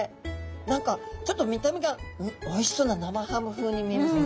何かちょっと見た目がおいしそうな生ハム風に見えますね。